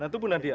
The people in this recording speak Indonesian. nah itu bu nadia